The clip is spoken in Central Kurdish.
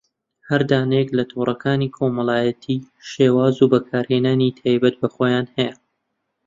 هەر دانەیەک لە تۆڕەکانی کۆمەڵایەتی شێواز و بەکارهێنەری تایبەت بەخۆیان هەیە